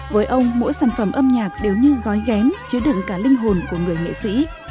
với ông mỗi sản phẩm âm nhạc đều như gói ghém chứa đựng cả linh hồn của người nghệ sĩ